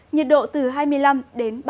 nhiệt độ từ hai mươi năm đến ba mươi độ